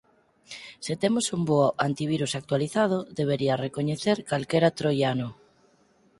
Se temos un bo antivirus actualizado debería recoñecer calquera troiano.